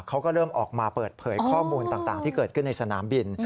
เขาก็เริ่มออกมาเปิดเผยข้อมูลต่างที่เกิดขึ้นในสนามบิน